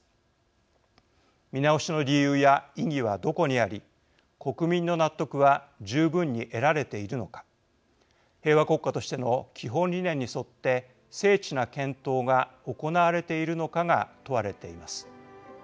見直しの理由や意義はどこにあり国民の納得は十分に得られているのか平和国家としての基本理念に沿って精緻な検討が行われているのかが問われています。